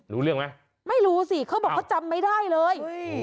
รู้เรื่องไหมไม่รู้สิเขาบอกเขาจำไม่ได้เลย